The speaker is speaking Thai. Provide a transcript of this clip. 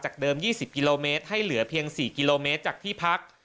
เดิม๒๐กิโลเมตรให้เหลือเพียง๔กิโลเมตรจากที่พัก